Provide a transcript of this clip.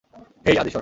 হেই আদি সর।